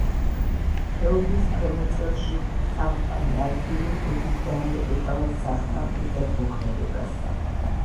ხეობის ქვემოწელში წამყვანი ადგილი ოდითგანვე ეკავა სახნავ მიწათმოქმედებას.